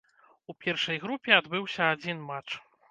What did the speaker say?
У першай групе адбыўся адзін матч.